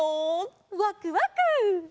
わくわく！